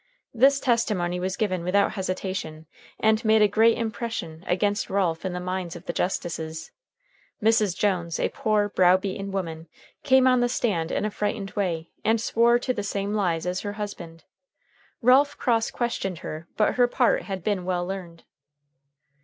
This testimony was given without hesitation, and made a great impression against Ralph in the minds of the justices. Mrs. Jones, a poor, brow beaten woman, came on the stand in a frightened way, and swore to the same lies as her husband. Ralph cross questioned her, but her part had been well learned.